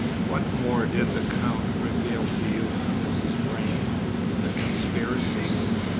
What more did the Count reveal to you, Mrs. Vrain? the conspiracy?"